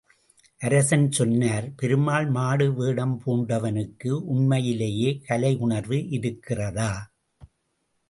அரசன் சொன்னார், பெருமாள் மாடு வேடம் பூண்டவனுக்கு உண்மையிலேயே கலையுணர்வு இருக்கிறதா?